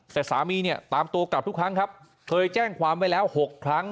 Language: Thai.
แต่สามีเนี่ยตามตัวกลับทุกครั้งครับเคยแจ้งความไว้แล้ว๖ครั้ง